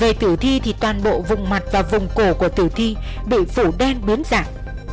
về tử thi thì toàn bộ vùng mặt và vùng cổ của tử thi bị phủ đen bướm rạng